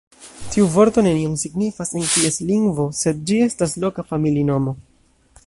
Tiu vorto nenion signifas en ties lingvo, sed ĝi estas loka familinomo.